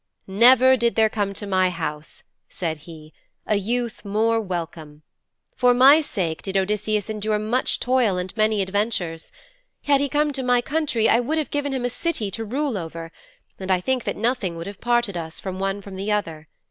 'Never did there come to my house,' said he, 'a youth more welcome. For my sake did Odysseus endure much toil and many adventures. Had he come to my country I would have given him a city to rule over, and I think that nothing would have parted us, one from the other.